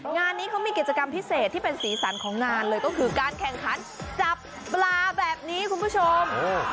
งานนี้เขามีกิจกรรมพิเศษที่เป็นสีสันของงานเลยก็คือการแข่งขันจับปลาแบบนี้คุณผู้ชม